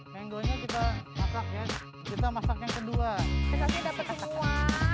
hai yang doanya kita masak ya kita masaknya kedua dapat semua